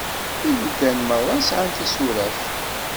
Ilugan merra sεan tisuraf.